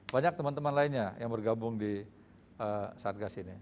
banyak teman teman lainnya yang bergabung di satgas ini